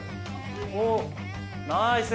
おっナイス。